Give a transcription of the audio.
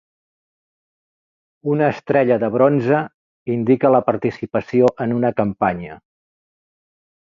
Una estrella de bronze indica la participació en una campanya.